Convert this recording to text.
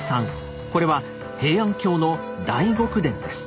これは平安京の大極殿です。